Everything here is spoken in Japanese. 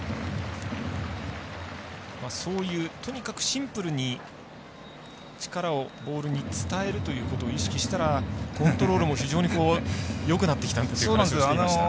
そういう、とにかくシンプルに力をボールに伝えることを意識したら、コントロールも非常によくなってきたという話をしていました。